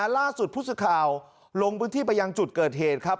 ล่าสุดผู้สื่อข่าวลงพื้นที่ไปยังจุดเกิดเหตุครับ